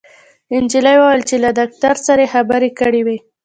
انجلۍ وويل چې له داکتر سره يې خبرې کړې وې